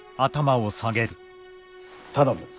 頼む。